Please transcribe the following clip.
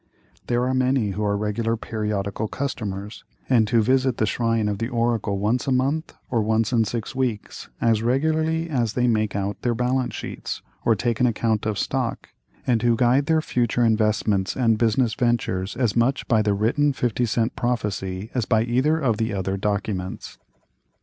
There are many who are regular periodical customers, and who visit the shrine of the oracle once a month, or once in six weeks, as regularly as they make out their balance sheets, or take an account of stock, and who guide their future investments and business ventures as much by the written fifty cent prophecy as by either of the other documents.